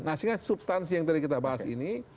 nah sehingga substansi yang tadi kita bahas ini